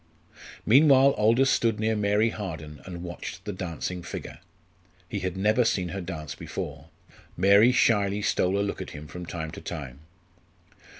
Meanwhile Aldous stood near Mary Harden and watched the dancing figure. He had never seen her dance before. Mary shyly stole a look at him from time to time.